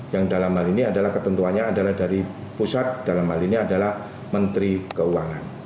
yang dalam hal ini adalah ketentuannya adalah dari pusat dalam hal ini adalah menteri keuangan